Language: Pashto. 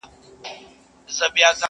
اوس یې تر پاڼو بلبلکي په ټولۍ نه راځي!!